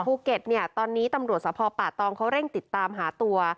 ภูเก็ตเนี่ยตอนนี้ตำรวจสภป่าตองเขาเร่งติดตามหาตัว